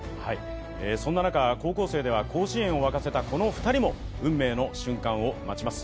そんな中、高校生では甲子園を沸かせたこの２人も運命の瞬間を待ちます。